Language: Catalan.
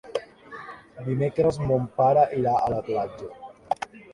Dimecres mon pare irà a la platja.